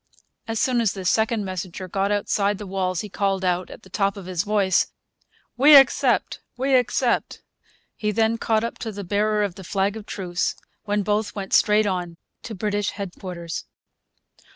As soon as this second messenger got outside the walls he called out, at the top of his voice, 'We accept! We accept!' He then caught up to the bearer of the flag of truce, when both went straight on to British headquarters.